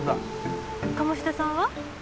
鴨志田さんは？